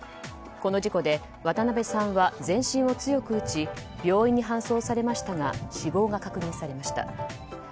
この事故で渡辺さんは全身を強く打ち病院に搬送されましたが死亡が確認されました。